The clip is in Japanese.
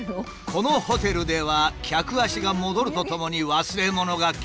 このホテルでは客足が戻るとともに忘れ物が急増。